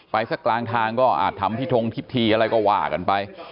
สักกลางทางก็อาจทำพิธงพิธีอะไรก็ว่ากันไป